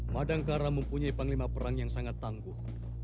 madangkara mempunyai panglima perang yang sangat tangguh